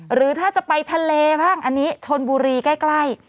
หรือถ้าจะไปทะเลบ้างอันนี้ชนบุรีใกล้